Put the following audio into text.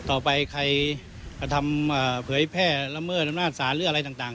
ต่อไปใครกระทำเผยแพร่ละเมิดอำนาจศาลหรืออะไรต่าง